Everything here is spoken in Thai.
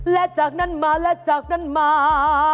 และจากนั้นมาและจากนั้นมา